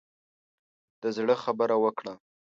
د زړه خبره وکړه.